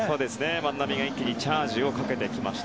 万波が一気にチャージをかけてきました。